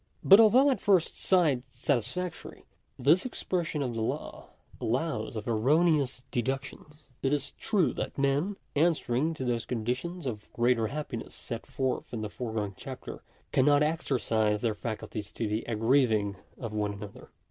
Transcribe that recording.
But although at first sight satisfactory, this expression of the law allows of erroneous deductions. It is true that men, answering to those conditions of greatest hap piness set forth in the foregoing chapter, cannot exercise their faculties to the aggrieving of one another.